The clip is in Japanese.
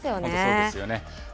そうですよね。